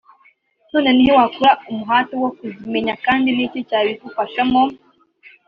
none ni he wakura umuhate wo kuzimenya kandi ni iki cyabigufashamo